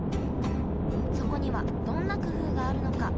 そこにはどんな工夫があるのか？